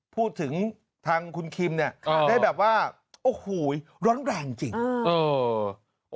พูดถึงทางคุณคิมเนี่ยได้แบบว่าโอ้โหร้อนแรงจริง